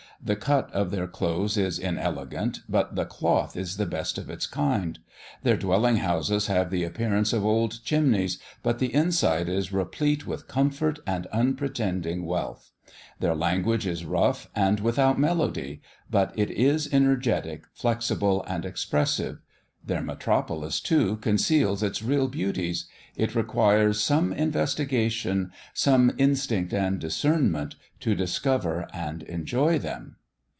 The cut of their clothes is inelegant, but the cloth is the best of its kind; their dwelling houses have the appearance of old chimneys, but the inside is replete with comfort and unpretending wealth; their language is rough, and without melody; but it is energetic, flexible, and expressive. Their metropolis, too, conceals its real beauties. It requires some investigation, some instinct and discernment to discover and enjoy them.